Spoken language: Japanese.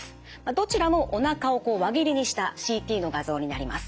どちらもおなかを輪切りにしたＣＴの画像になります。